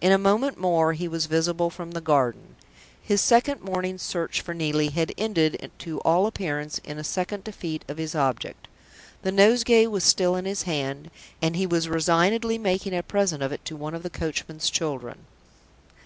In a moment more he was visible from the garden. His second morning's search for Neelie had ended to all appearance in a second defeat of his object. The nosegay was still in his hand; and he was resignedly making a present of it to one of the coachman's children.